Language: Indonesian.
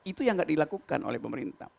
itu yang tidak dilakukan oleh pemerintah